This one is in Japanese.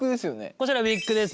こちらウィッグです。